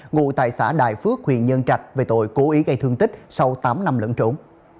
ngụ tại xã đại phước huyện nhân trạch về tội cố ý gây thương tích sau tám năm lẫn trốn